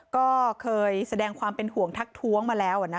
ก็เคยแสดงความเป็นห่วงทักท้วงมาแล้ว